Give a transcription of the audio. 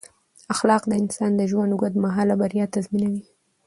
اخلاق د انسان د ژوند اوږد مهاله بریا تضمینوي.